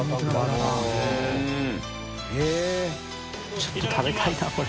ちょっと食べたいなこれ。